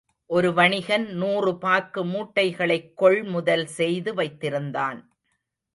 ஒரு வணிகன் நூறு பாக்கு மூட்டைகளைக் கொள் முதல் செய்து வைத்திருந்தான்.